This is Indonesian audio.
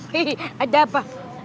hehehe ada apa